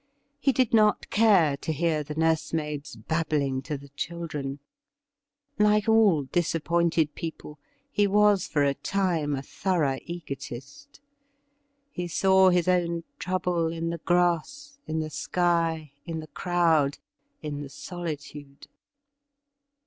He did not care to hear the nursemaids bab bling to the children. Like all disappointed people, he was for a time a thorough egotist. He saw his own trouble in the grass, in the sky, in the crowd, in the solitude.